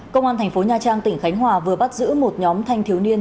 công an thành phố nha trang tỉnh khánh hòa vừa bắt giữ một nhóm thanh thiếu niên